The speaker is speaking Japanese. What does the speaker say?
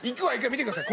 見てください。